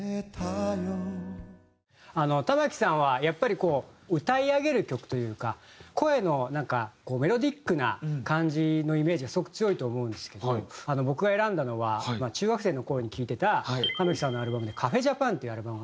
玉置さんはやっぱりこう歌い上げる曲というか声のなんかメロディックな感じのイメージがすごく強いと思うんですけど僕が選んだのは中学生の頃に聴いてた玉置さんのアルバムで『ＣＡＦＥＪＡＰＡＮ』っていうアルバム。